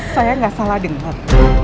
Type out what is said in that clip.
saya nggak salah dengar